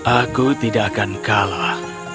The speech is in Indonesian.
aku tidak akan kalah